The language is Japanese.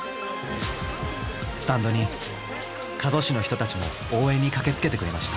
スタンドに加須市の人たちも応援に駆けつけてくれました。